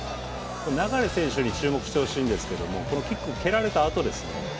流選手に注目してほしいんですけどもこのキック蹴られたあとですね